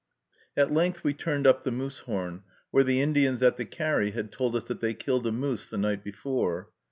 At length we turned up the Moosehorn, where the Indians at the carry had told us that they killed a moose the night before.